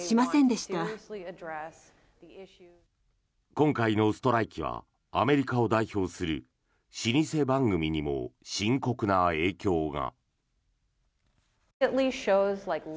今回のストライキはアメリカを代表する老舗番組にも深刻な影響が。